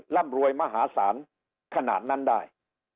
ร่ำรวยมหาศาลขนาดนั้นได้